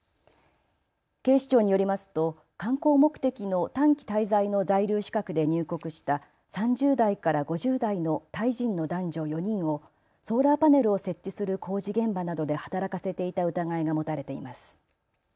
警視庁によりますと観光目的の短期滞在の在留資格で入国した３０代から５０代のタイ人の男女４人をソーラーパネルを設置する工事現場などで働かせていた疑いが持たれています。